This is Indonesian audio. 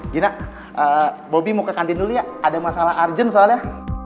gina bobby mau ke santin dulu ya ada masalah argent soalnya